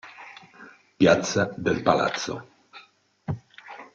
Piazza del Palazzo